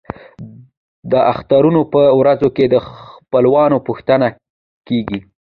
د اخترونو په ورځو کې د خپلوانو پوښتنه کیږي.